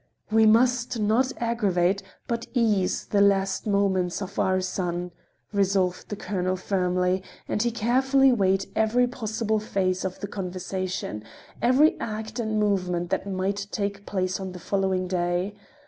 "We must not aggravate, but ease the last moments of our son," resolved the colonel firmly, and he carefully weighed every possible phase of the conversation, every act and movement that might take place on the following day.